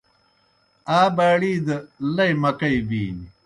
آ باڑی دہ لئی مکئی بِینیْ۔